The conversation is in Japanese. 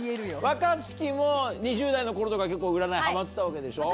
若槻も２０代の頃とか結構占いハマってたわけでしょ？